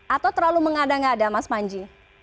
atau terlalu mengada ngada mas panji